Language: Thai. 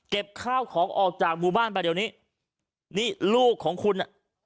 ข้าวของออกจากหมู่บ้านไปเดี๋ยวนี้นี่ลูกของคุณอ่ะ